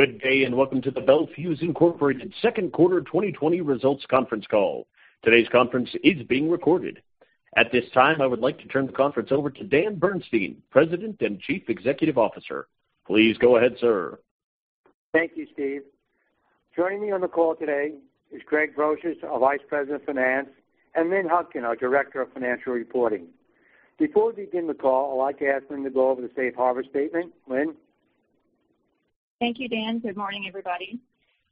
Good day. Welcome to the Bel Fuse Inc second quarter 2020 results conference call. Today's conference is being recorded. At this time, I would like to turn the conference over to Dan Bernstein, President and Chief Executive Officer. Please go ahead, sir. Thank you, Steve. Joining me on the call today is Craig Brosious, our Vice President of Finance, and Lynn Hutkin, our Director of Financial Reporting. Before we begin the call, I'd like to ask Lynn to go over the Safe Harbor Statement. Lynn? Thank you, Dan. Good morning, everybody.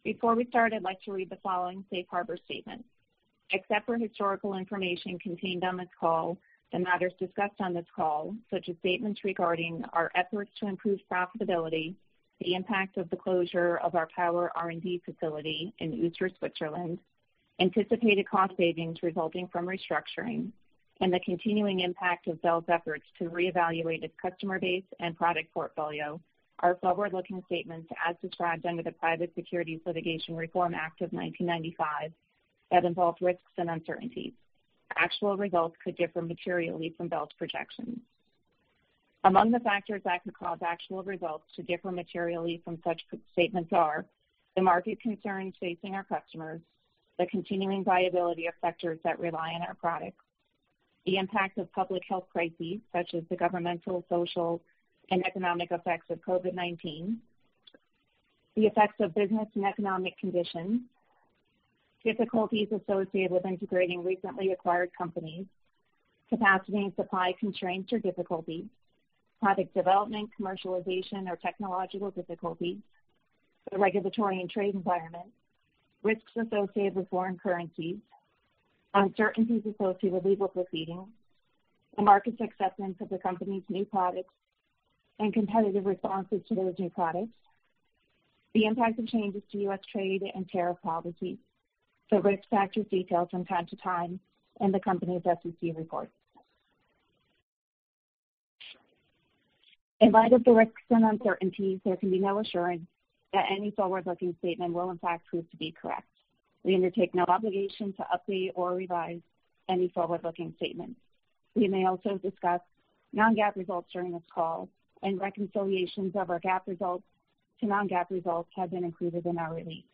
Before we start, I'd like to read the following safe harbor statement. Except for historical information contained on this call, the matters discussed on this call, such as statements regarding our efforts to improve profitability, the impact of the closure of our power R&D facility in Uster, Switzerland, anticipated cost savings resulting from restructuring, and the continuing impact of Bel Fuse's efforts to reevaluate its customer base and product portfolio are forward-looking statements as described under the Private Securities Litigation Reform Act of 1995 that involve risks and uncertainties. Actual results could differ materially from Bel Fuse's projections. Among the factors that could cause actual results to differ materially from such statements are the market concerns facing our customers, the continuing viability of sectors that rely on our products, the impact of public health crises, such as the governmental, social, and economic effects of COVID-19, the effects of business and economic conditions, difficulties associated with integrating recently acquired companies, capacity and supply constraints or difficulties, product development, commercialization, or technological difficulties, the regulatory and trade environment, risks associated with foreign currencies, uncertainties associated with legal proceedings, the market's acceptance of the company's new products and competitive responses to those new products, the impact of changes to U.S. trade and tariff policy, the risk factors detailed from time to time in the company's SEC reports. In light of the risks and uncertainties, there can be no assurance that any forward-looking statement will in fact prove to be correct. We undertake no obligation to update or revise any forward-looking statements. We may also discuss non-GAAP results during this call, and reconciliations of our GAAP results to non-GAAP results have been included in our release.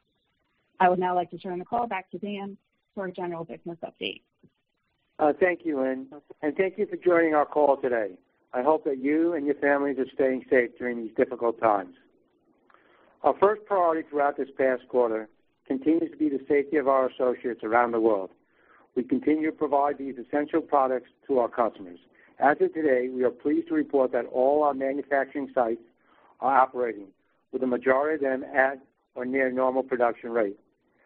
I would now like to turn the call back to Dan for a general business update. Thank you, Lynn. Thank you for joining our call today. I hope that you and your families are staying safe during these difficult times. Our first priority throughout this past quarter continues to be the safety of our associates around the world. We continue to provide these essential products to our customers. As of today, we are pleased to report that all our manufacturing sites are operating, with the majority of them at or near normal production rate.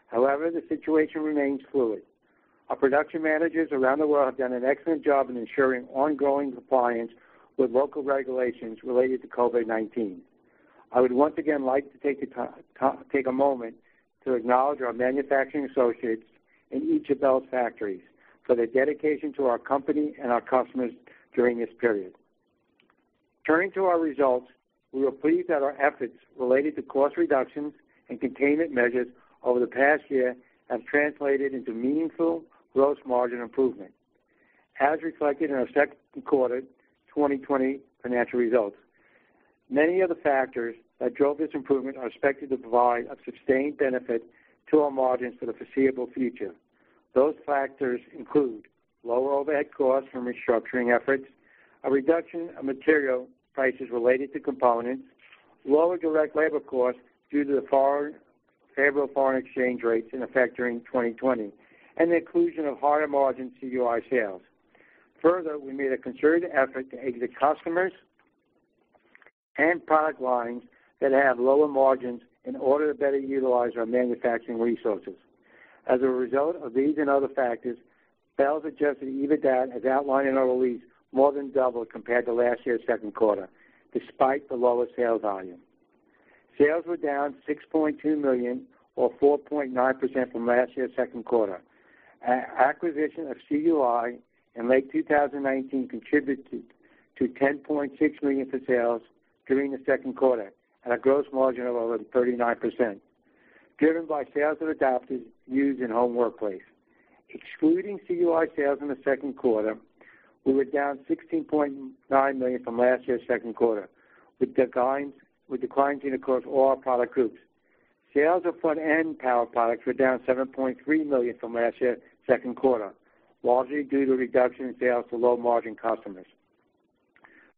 However, the situation remains fluid. Our production managers around the world have done an excellent job in ensuring ongoing compliance with local regulations related to COVID-19. I would once again like to take a moment to acknowledge our manufacturing associates in each of Bel's factories for their dedication to our company and our customers during this period. Turning to our results, we are pleased that our efforts related to cost reductions and containment measures over the past year have translated into meaningful gross margin improvement, as reflected in our second quarter 2020 financial results. Many of the factors that drove this improvement are expected to provide a sustained benefit to our margins for the foreseeable future. Those factors include lower overhead costs from restructuring efforts, a reduction of material prices related to components, lower direct labor costs due to the favorable foreign exchange rates in effect during 2020, and the inclusion of higher margin CUI sales. Further, we made a concerted effort to exit customers and product lines that have lower margins in order to better utilize our manufacturing resources. As a result of these and other factors, Bel's adjusted EBITDA, as outlined in our release, more than doubled compared to last year's second quarter, despite the lower sales volume. Sales were down $6.2 million or 4.9% from last year's second quarter. Our acquisition of CUI in late 2019 contributed $10.6 million for sales during the second quarter at a gross margin of over 39%, driven by sales of adapters used in home workplace. Excluding CUI sales in the second quarter, we were down $16.9 million from last year's second quarter, with declines across all our product groups. Sales of front-end power products were down $7.3 million from last year's second quarter, largely due to a reduction in sales to low-margin customers.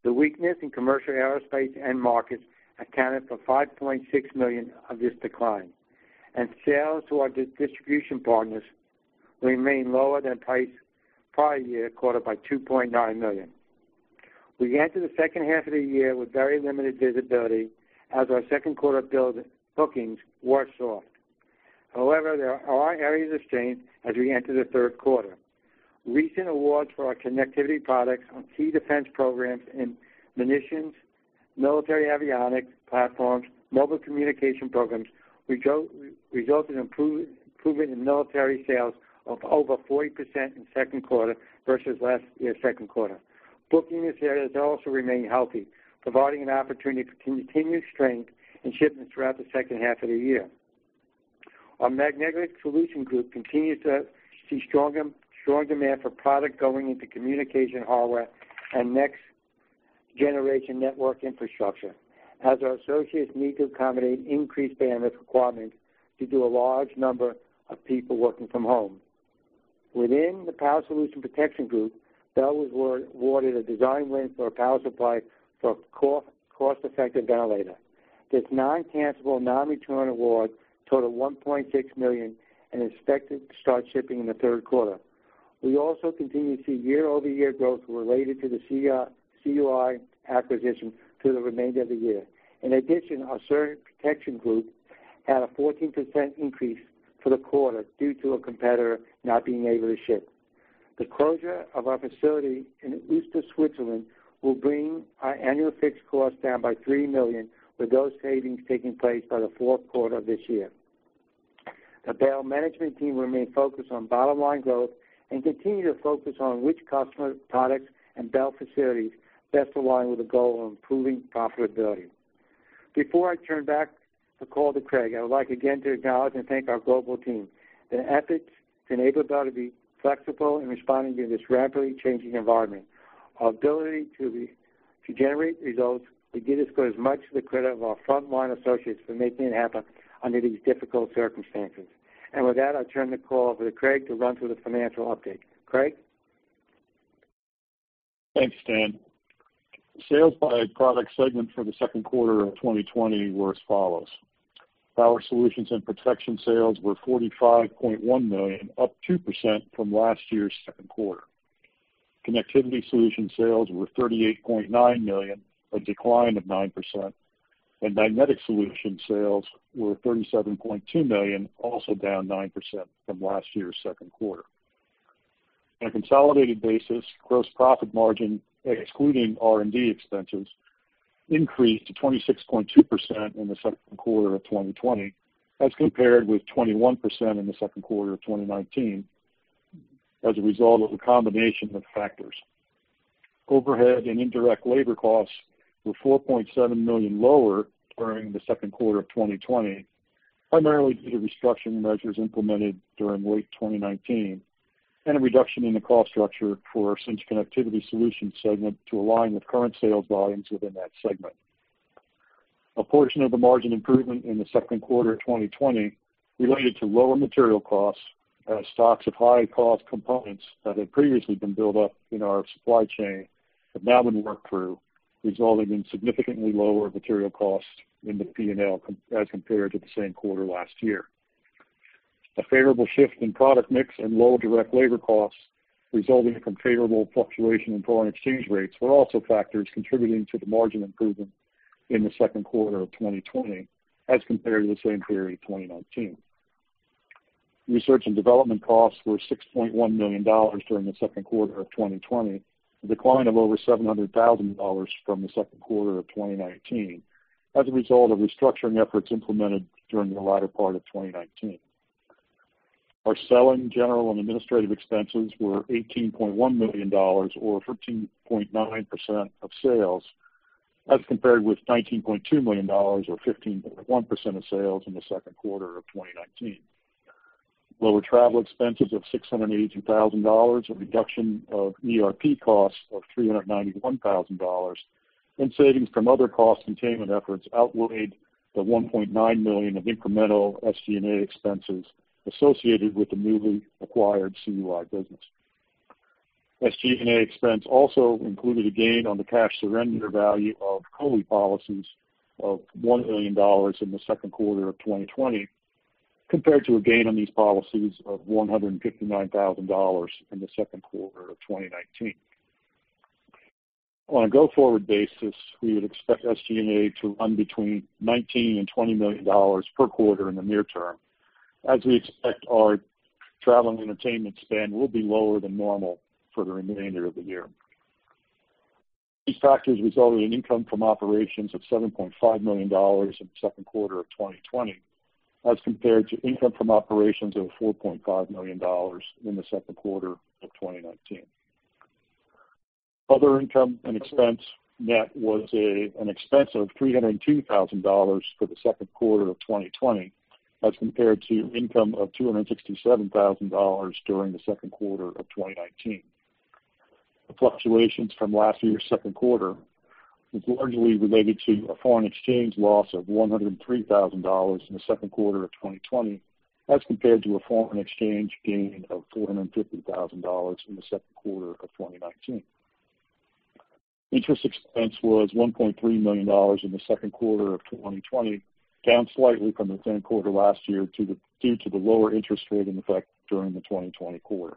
The weakness in commercial aerospace end markets accounted for $5.6 million of this decline, and sales to our distribution partners remained lower than prior year quarter by $2.9 million. We enter the second half of the year with very limited visibility as our second quarter bel bookings were soft. There are areas of strength as we enter the third quarter. Recent awards for our connectivity products on key defense programs in munitions, military avionics platforms, mobile communication programs, resulted in improvement in military sales of over 40% in second quarter versus last year's second quarter. Bookings in this area also remain healthy, providing an opportunity for continued strength in shipments throughout the second half of the year. Our Magnetic Solutions Group continues to see strong demand for product going into communication hardware and next-generation network infrastructure, as our associates need to accommodate increased bandwidth requirements to do a large number of people working from home. Within the Power Solutions and Protection group, Bel was awarded a design win for a power supply for a cost-effective ventilator. This non-cancellable, non-returnable award totaled $1.6 million and is expected to start shipping in the third quarter. We also continue to see year-over-year growth related to the CUI acquisition through the remainder of the year. Our Surge Protection group had a 14% increase for the quarter due to a competitor not being able to ship. The closure of our facility in Uster, Switzerland will bring our annual fixed costs down by $3 million, with those savings taking place by the fourth quarter of this year. The Bel management team remains focused on bottom-line growth and continue to focus on which customer products and Bel facilities best align with the goal of improving profitability. Before I turn back the call to Craig, I would like again to acknowledge and thank our global team. Their efforts enable Bel to be flexible in responding to this rapidly changing environment. Our ability to generate results, we give as much of the credit of our frontline associates for making it happen under these difficult circumstances. With that, I'll turn the call over to Craig to run through the financial update. Craig? Thanks, Dan. Sales by product segment for the second quarter of 2020 were as follows. Power Solutions and Protection sales were $45.1 million, up 2% from last year's second quarter. Connectivity Solutions sales were $38.9 million, a decline of 9%, and Magnetic Solutions sales were $37.2 million, also down 9% from last year's second quarter. On a consolidated basis, gross profit margin, excluding R&D expenses, increased to 26.2% in the second quarter of 2020, as compared with 21% in the second quarter of 2019 as a result of a combination of factors. Overhead and indirect labor costs were $4.7 million lower during the second quarter of 2020, primarily due to restructuring measures implemented during late 2019 and a reduction in the cost structure for Cinch Connectivity Solutions segment to align with current sales volumes within that segment. A portion of the margin improvement in the second quarter of 2020 related to lower material costs as stocks of high-cost components that had previously been built up in our supply chain have now been worked through, resulting in significantly lower material costs in the P&L as compared to the same quarter last year. A favorable shift in product mix and lower direct labor costs resulting from favorable fluctuation in foreign exchange rates were also factors contributing to the margin improvement in the second quarter of 2020 as compared to the same period in 2019. Research and Development costs were $6.1 million during the second quarter of 2020, a decline of over $700,000 from the second quarter of 2019 as a result of restructuring efforts implemented during the latter part of 2019. Our selling, general, and administrative expenses were $18.1 million or 13.9% of sales, as compared with $19.2 million or 15.1% of sales in the second quarter of 2019. Lower travel expenses of $682,000, a reduction of ERP costs of $391,000, and savings from other cost containment efforts outweighed the $1.9 million of incremental SG&A expenses associated with the newly acquired CUI business. SG&A expense also included a gain on the cash surrender value of COLI policies of $1 million in the second quarter of 2020, compared to a gain on these policies of $159,000 in the second quarter of 2019. On a go-forward basis, we would expect SG&A to run between $19 million and $20 million per quarter in the near term, as we expect our travel and entertainment spend will be lower than normal for the remainder of the year. These factors resulted in income from operations of $7.5 million in the second quarter of 2020, as compared to income from operations of $4.5 million in the second quarter of 2019. Other income and expense net was an expense of $302,000 for the second quarter of 2020, as compared to income of $267,000 during the second quarter of 2019. The fluctuations from last year's second quarter was largely related to a foreign exchange loss of $103,000 in the second quarter of 2020, as compared to a foreign exchange gain of $450,000 in the second quarter of 2019. Interest expense was $1.3 million in the second quarter of 2020, down slightly from the same quarter last year due to the lower interest rate in effect during the 2020 quarter.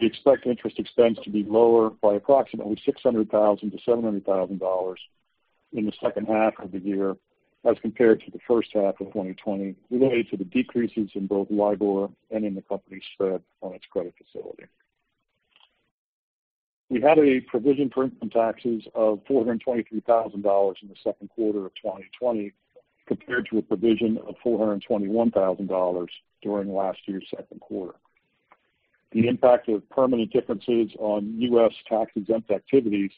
We expect interest expense to be lower by approximately $600,000-$700,000 in the second half of the year as compared to the first half of 2020, related to the decreases in both LIBOR and in the company's spread on its credit facility. We had a provision for income taxes of $423,000 in the second quarter of 2020, compared to a provision of $421,000 during last year's second quarter. The impact of permanent differences on U.S. tax-exempt activities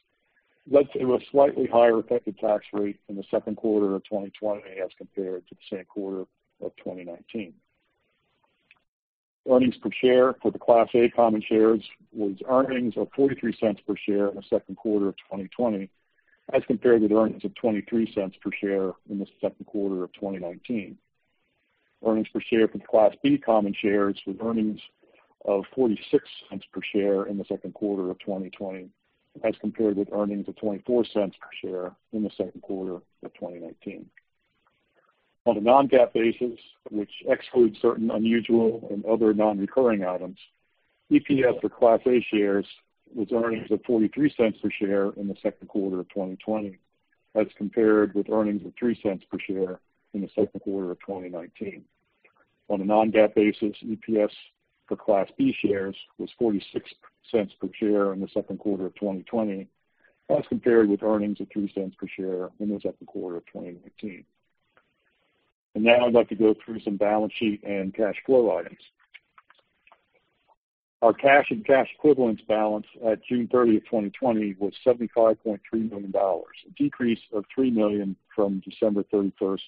led to a slightly higher effective tax rate in the second quarter of 2020 as compared to the same quarter of 2019. Earnings per share for the Class A common shares was earnings of $0.43 per share in the second quarter of 2020 as compared with earnings of $0.23 per share in the second quarter of 2019. Earnings per share for the Class B common shares with earnings of $0.46 per share in the second quarter of 2020 as compared with earnings of $0.24 per share in the second quarter of 2019. On a non-GAAP basis, which excludes certain unusual and other non-recurring items, EPS for Class A shares was earnings of $0.43 per share in the second quarter of 2020 as compared with earnings of $0.03 per share in the second quarter of 2019. On a non-GAAP basis, EPS for Class B shares was $0.46 per share in the second quarter of 2020 as compared with earnings of $0.03 per share in the second quarter of 2019. Now I'd like to go through some balance sheet and cash flow items. Our cash and cash equivalents balance at June 30th, 2020, was $75.3 million, a decrease of $3 million from December 31st,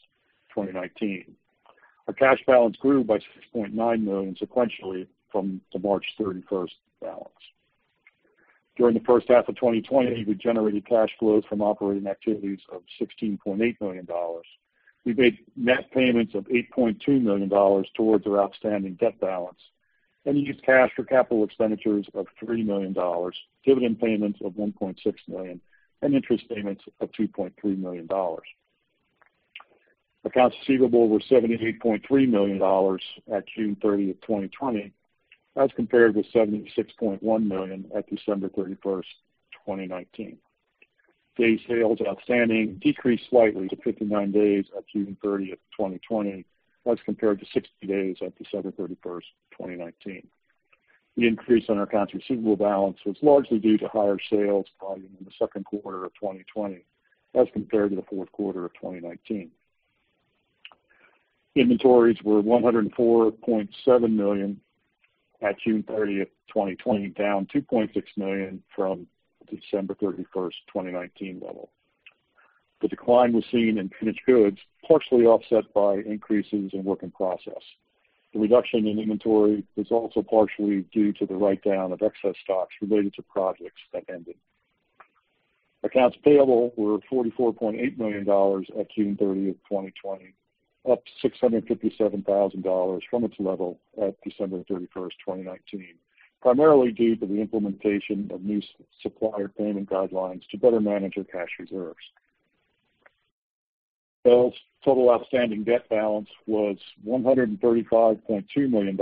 2019. Our cash balance grew by $6.9 million sequentially from the March 31st balance. During the first half of 2020, we generated cash flows from operating activities of $16.8 million. We made net payments of $8.2 million towards our outstanding debt balance and used cash for capital expenditures of $3 million, dividend payments of $1.6 million and interest payments of $2.3 million. Accounts receivable were $78.3 million at June 30th, 2020 as compared with $76.1 million at December 31st, 2019. Days sales outstanding decreased slightly to 59 days at June 30th, 2020 as compared to 60 days at December 31st, 2019. The increase in our accounts receivable balance was largely due to higher sales volume in the second quarter of 2020 as compared to the fourth quarter of 2019. Inventories were $104.7 million at June 30th, 2020, down $2.6 million from the December 31st, 2019, level. The decline was seen in finished goods, partially offset by increases in work in process. The reduction in inventory was also partially due to the write-down of excess stocks related to projects that ended. Accounts payable were $44.8 million at June 30th, 2020, up $657,000 from its level at December 31st, 2019, primarily due to the implementation of new supplier payment guidelines to better manage our cash reserves. Bel's total outstanding debt balance was $135.2 million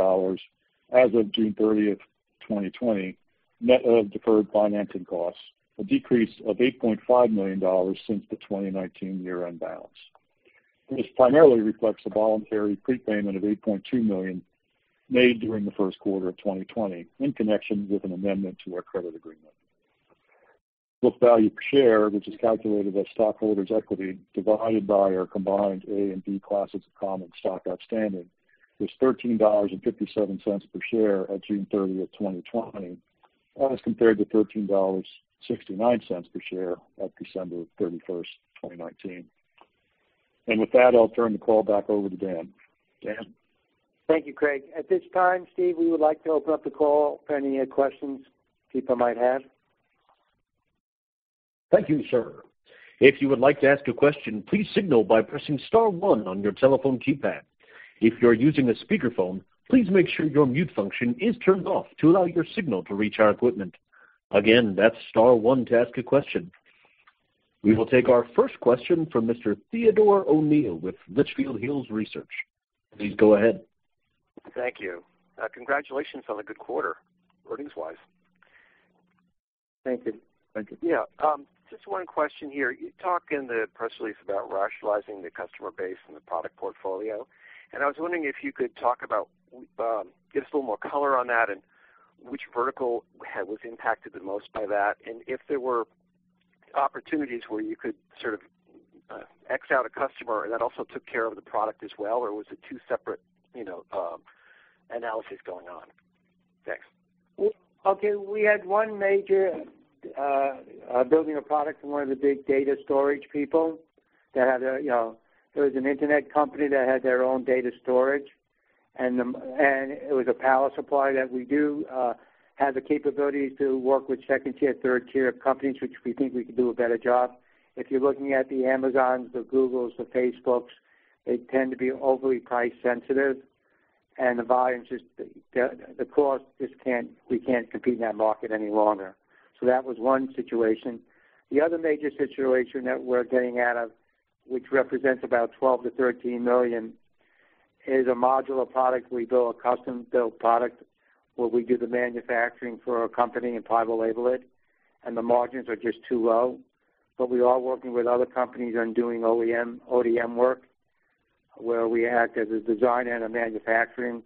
as of June 30th, 2020, net of deferred financing costs, a decrease of $8.5 million since the 2019 year-end balance. This primarily reflects a voluntary prepayment of $8.2 million made during the first quarter of 2020 in connection with an amendment to our credit agreement. Book value per share, which is calculated by stockholders' equity divided by our combined Class A and Class B common stock outstanding, was $13.57 per share at June 30th, 2020 as compared to $13.69 per share at December 31st, 2019. With that, I'll turn the call back over to Dan. Dan? Thank you, Craig. At this time, Steve, we would like to open up the call for any questions people might have. Thank you, sir. If you would like to ask a question, please signal by pressing star one on your telephone keypad. If you're using a speakerphone, please make sure your mute function is turned off to allow your signal to reach our equipment. Again, that's star one to ask a question. We will take our first question from Mr. Theodore O'Neill with Litchfield Hills Research. Please go ahead. Thank you. Congratulations on a good quarter earnings-wise. Thank you. Thank you. Yeah. Just one question here. You talk in the press release about rationalizing the customer base and the product portfolio, and I was wondering if you could give us a little more color on that and which vertical was impacted the most by that, and if there were opportunities where you could sort of X out a customer and that also took care of the product as well, or was it two separate analyses going on? Thanks. We had one major building a product for one of the big data storage people. It was an internet company that had their own data storage, and it was a power supply that we do have the capability to work with second-tier, third-tier companies, which we think we can do a better job. If you're looking at the Amazons, the Googles, the Facebooks, they tend to be overly price sensitive and the cost, we can't compete in that market any longer. That was one situation. The other major situation that we're getting out of, which represents about $12 million-$13 million, is a modular product. We build a custom-built product where we do the manufacturing for a company and private label it, and the margins are just too low. We are working with other companies on doing ODM work where we act as a design and a manufacturing,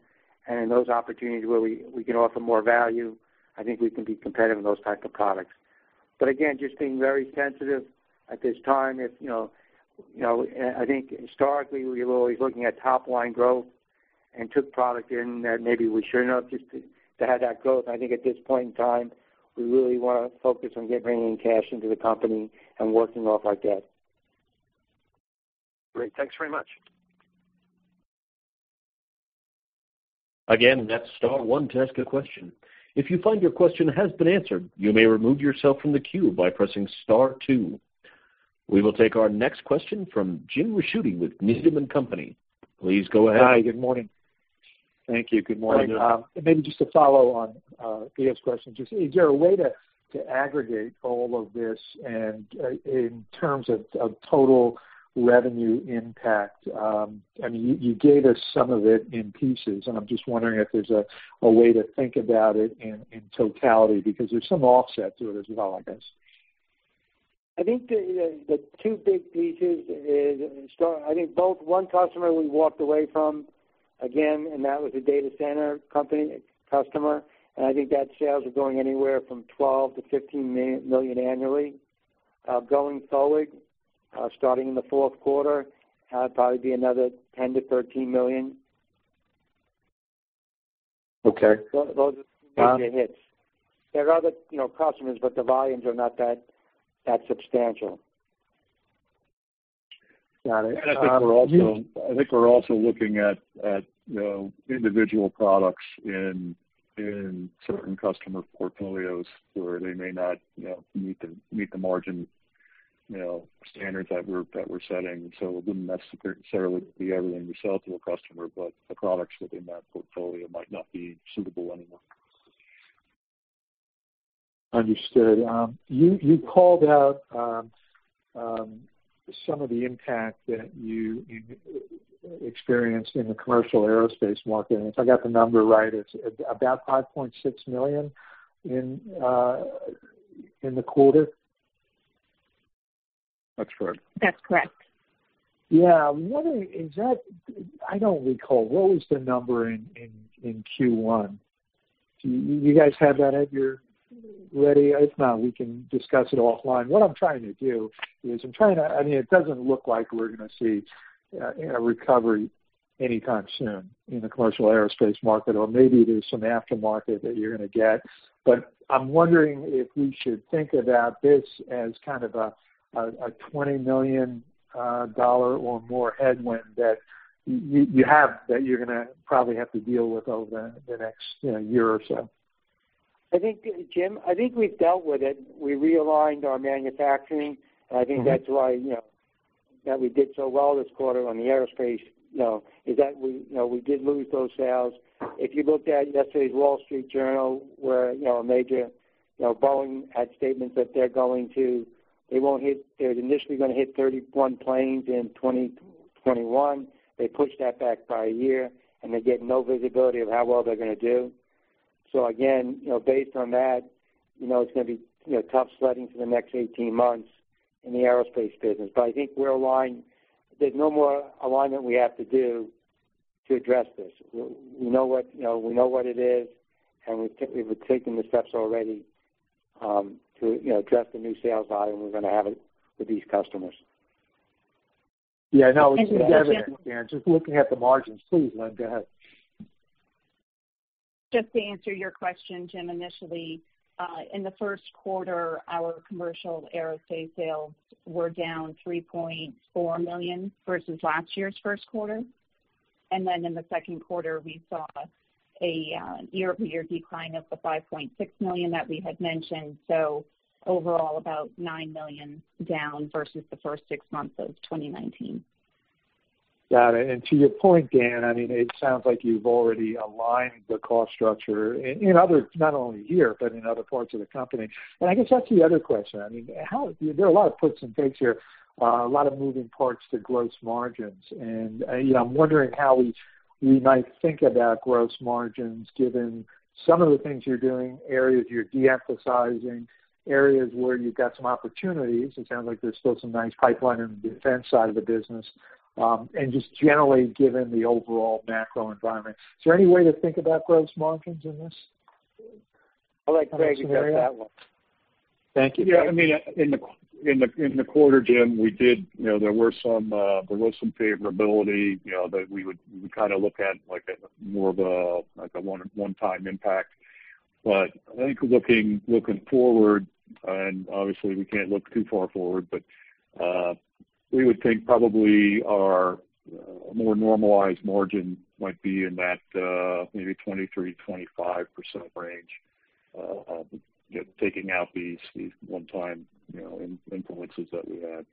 and in those opportunities where we can offer more value, I think we can be competitive in those types of products. Again, just being very sensitive at this time. I think historically we were always looking at top-line growth and took product in that maybe we shouldn't have just to have that growth. I think at this point in time, we really want to focus on bringing cash into the company and working off our debt. Great. Thanks very much. Again, that's star one to ask a question. If you find your question has been answered, you may remove yourself from the queue by pressing star two. We will take our next question from Jim Ricchiuti with Needham & Company. Please go ahead. Hi, good morning. Thank you. Good morning. Maybe just to follow on Ted's question. Is there a way to aggregate all of this and in terms of total revenue impact? You gave us some of it in pieces, and I'm just wondering if there's a way to think about it in totality, because there's some offset to it as well, I guess. I think the two big pieces is, I think both one customer we walked away from again, and that was a data center customer, and I think that sales are going anywhere from $12 million-$15 million annually. Going forward, starting in the fourth quarter, it'd probably be another $10 million-$13 million. Okay. Those are the major hits. There are other customers, but the volumes are not that substantial. Got it. I think we're also looking at individual products in certain customer portfolios where they may not meet the margin standards that we're setting. It wouldn't necessarily be everything we sell to a customer, but the products within that portfolio might not be suitable anymore. Understood. You called out some of the impact that you experienced in the commercial aerospace market. If I got the number right, it's about $5.6 million in the quarter? That's correct. That's correct. I don't recall, what was the number in Q1? Do you guys have that at your ready? If not, we can discuss it offline. What I'm trying to do is, it doesn't look like we're going to see a recovery anytime soon in the commercial aerospace market, or maybe there's some aftermarket that you're going to get. I'm wondering if we should think about this as kind of a $20 million or more headwind that you have that you're going to probably have to deal with over the next year or so. I think, Jim, I think we've dealt with it. We realigned our manufacturing, and I think that's why that we did so well this quarter on the aerospace, is that we did lose those sales. If you looked at yesterday's The Wall Street Journal, where Boeing had statements that they're initially going to hit 31 planes in 2021. They pushed that back by a year, and they get no visibility of how well they're going to do. Again, based on that, it's going to be tough sledding for the next 18 months in the aerospace business. I think there's no more alignment we have to do to address this. We know what it is, and we've taken the steps already to address the new sales volume we're going to have with these customers. Yeah, no, just looking at the margins. Please, Lynn, go ahead. Just to answer your question, Jim, initially, in the first quarter, our commercial aerospace sales were down $3.4 million versus last year's first quarter. In the second quarter, we saw a year-over-year decline of the $5.6 million that we had mentioned. Overall, about $9 million down versus the first six months of 2019. Got it. To your point, Dan, it sounds like you've already aligned the cost structure in other, not only here, but in other parts of the company. I guess that's the other question. There are a lot of puts and takes here, a lot of moving parts to gross margins. I'm wondering how we might think about gross margins given some of the things you're doing, areas you're de-emphasizing, areas where you've got some opportunities. It sounds like there's still some nice pipeline on the defense side of the business. Just generally, given the overall macro environment, is there any way to think about gross margins in this? I'll let Craig address that one. Thank you. In the quarter, Jim, there was some favorability, that we would look at like a more of a one-time impact. I think looking forward, and obviously we can't look too far forward, but we would think probably our more normalized margin might be in that maybe 23%-25% range, taking out these one-time influences that we had.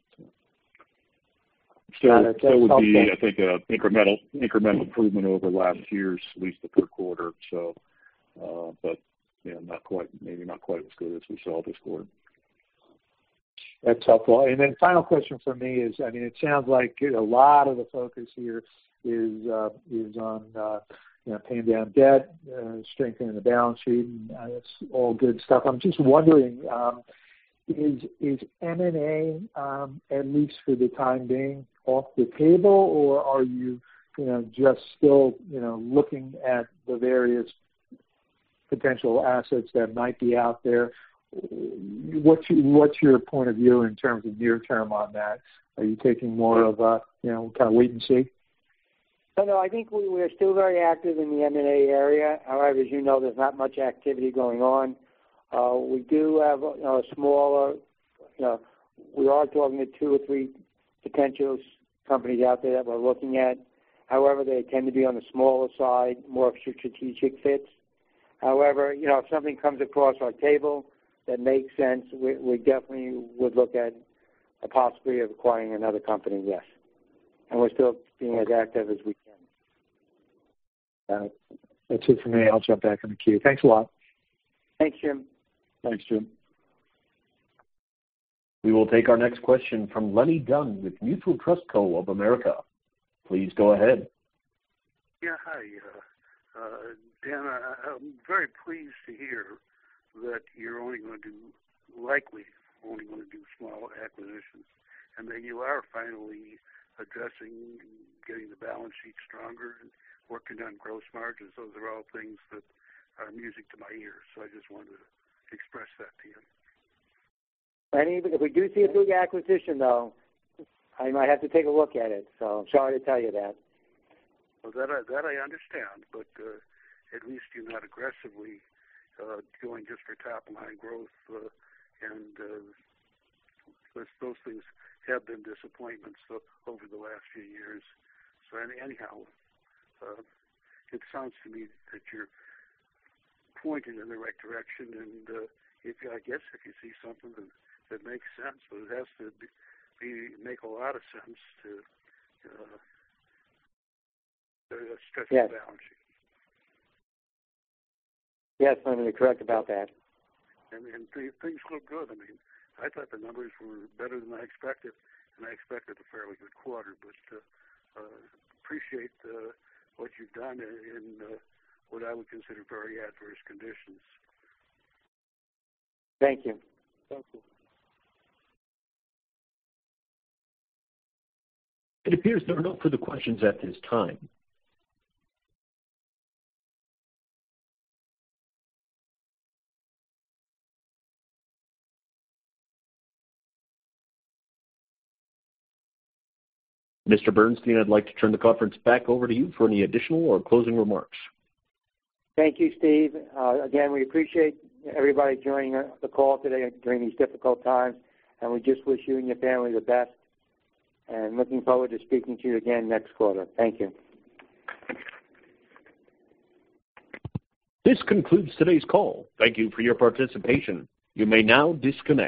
Got it. That's helpful. That would be, I think, an incremental improvement over last year's, at least the third quarter. Maybe not quite as good as we saw this quarter. That's helpful. Final question from me is, it sounds like a lot of the focus here is on paying down debt, strengthening the balance sheet, and that's all good stuff. I'm just wondering, is M&A, at least for the time being, off the table, or are you just still looking at the various potential assets that might be out there. What's your point of view in terms of near-term on that? Are you taking more of a kind of wait and see? I think we are still very active in the M&A area. As you know, there's not much activity going on. We are talking to two or three potential companies out there that we're looking at. They tend to be on the smaller side, more strategic fits. If something comes across our table that makes sense, we definitely would look at the possibility of acquiring another company, yes, and we're still being as active as we can. Got it. That's it for me. I'll jump back in the queue. Thanks a lot. Thanks, Jim. Thanks, Jim. We will take our next question from Lenny Dunn with Mutual Trust Co. of America. Please go ahead. Yeah. Hi. Dan, I'm very pleased to hear that you're likely only going to do small acquisitions, and that you are finally addressing getting the balance sheet stronger and working on gross margins. Those are all things that are music to my ears. I just wanted to express that to you. Lenny, if we do see a big acquisition, though, I might have to take a look at it, so I'm sorry to tell you that. Well, that I understand, but at least you're not aggressively going just for top-line growth, and those things have been disappointments over the last few years. Anyhow, it sounds to me that you're pointed in the right direction, and I guess if you see something that makes sense, but it has to make a lot of sense to stretch the balance sheet. Yes, Lenny, correct about that. Things look good. I thought the numbers were better than I expected, and I expected a fairly good quarter. Appreciate what you've done in what I would consider very adverse conditions. Thank you. Thank you. It appears there are no further questions at this time. Mr. Bernstein, I'd like to turn the conference back over to you for any additional or closing remarks. Thank you, Steve. We appreciate everybody joining the call today during these difficult times, and we just wish you and your family the best, and looking forward to speaking to you again next quarter. Thank you. This concludes today's call. Thank you for your participation. You may now disconnect.